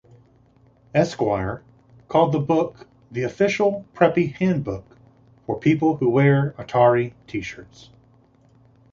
"Esquire" called the book "The "Official Preppy Handbook" for people who wear Atari T-shirts.